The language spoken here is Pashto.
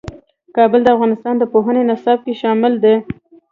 کابل د افغانستان د پوهنې نصاب کې شامل دي.